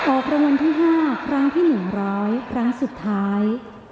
ออกรางวัลที่๕ครั้งที่๑๐๐ครั้งสุดท้าย